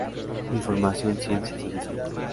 Información, ciencia, sabiduría".